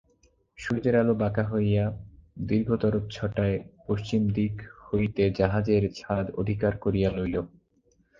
সূর্যের আলো বাঁকা হইয়া দীর্ঘতরচ্ছটায় পশ্চিমদিক হইতে জাহাজের ছাদ অধিকার করিয়া লইল।